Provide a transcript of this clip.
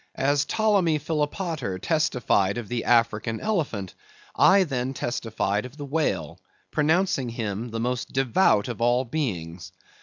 As Ptolemy Philopater testified of the African elephant, I then testified of the whale, pronouncing him the most devout of all beings.